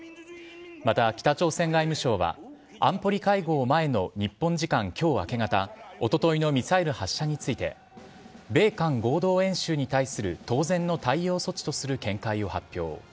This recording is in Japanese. また、北朝鮮外務省は安保理会合前の日本時間今日明け方おとといのミサイル発射について米韓合同演習に対する当然の対応措置とする見解を発表。